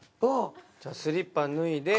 じゃあスリッパ脱いで。